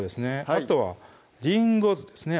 あとはりんご酢ですね